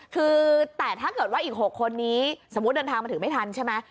คือแต่ถ้าเกิดว่าอีก๖คนนี้สมมุติเดินทางมาถึงไม่ทันใช่ไหม